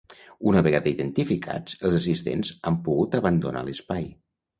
Una vegada identificats, els assistents han pogut abandonar l’espai.